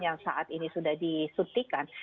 yang saat ini sudah disuntikan